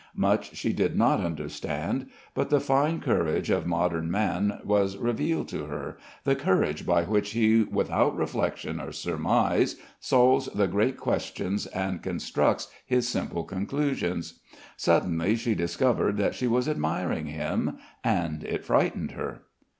Much she did not understand; but the fine courage of modern man was revealed to her, the courage by which he without reflection or surmise solves the great questions and constructs his simple conclusions. Suddenly she discovered that she was admiring him, and it frightened her.